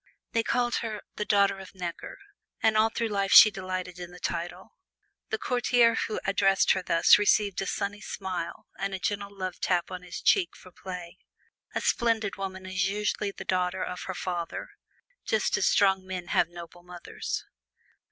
They called her "The Daughter of Necker," and all through life she delighted in the title. The courtier who addressed her thus received a sunny smile and a gentle love tap on his cheek for pay. A splendid woman is usually the daughter of her father, just as strong men have noble mothers.